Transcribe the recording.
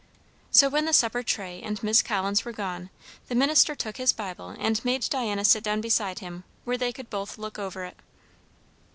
So, when the supper tray and Miss Collins were gone, the minister took his Bible and made Diana sit down beside him where they could both look over it.